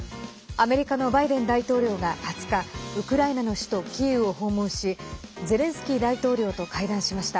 アメリカのバイデン大統領が２０日ウクライナの首都キーウを訪問しゼレンスキー大統領と会談しました。